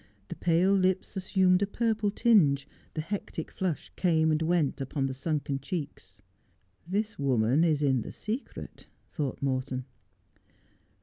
The pale lips assumed a purple tinge, the hectic flush came and went upon the sunken cheeks. ' This woman is in the secret,' thought Morton.